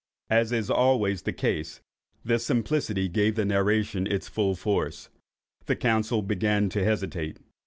As is always the case, this simplicity gave the narration its full force. The council began to hesitate.